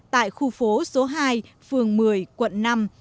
tại khu phố số hai phường một mươi quận năm